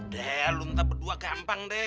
dahlah lo minta berdua gampang deh